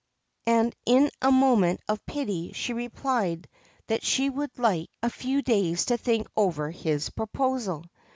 And, in a moment of pity, she replied that she would like 138 THE GREEN SERPENT a few days to think over his proposal.